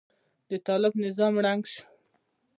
د طالب نظام ړنګ شو.